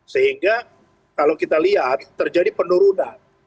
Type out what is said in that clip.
sehingga kalau kita lihat terjadi penurunan